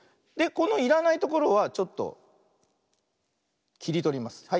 でこのいらないところはちょっときりとります。